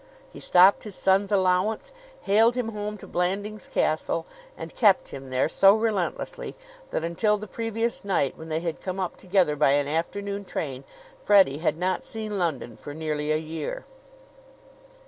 He stopped his son's allowance, haled him home to Blandings Castle, and kept him there so relentlessly that until the previous night, when they had come up together by an afternoon train, Freddie had not seen London for nearly a year.